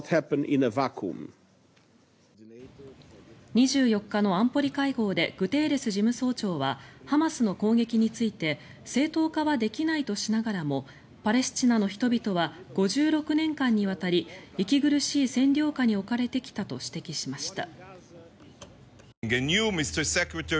２４日の安保理会合でグテーレス事務総長はハマスの攻撃について正当化はできないとしながらもパレスチナの人々は５６年間にわたり息苦しい占領下に置かれてきたと指摘しました。